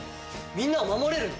みんなを守れるの？